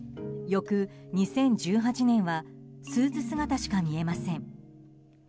翌２０１８年はスーツ姿しか見えません。